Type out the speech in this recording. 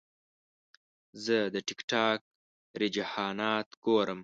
زه د ټک ټاک رجحانات ګورم.